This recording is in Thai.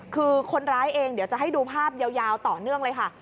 คือคนร้ายเองเดี๋ยวจะให้ดูภาพยาวต่อเนื่องเลยค่ะ